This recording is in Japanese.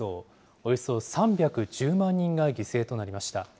およそ３１０万人が犠牲となりました。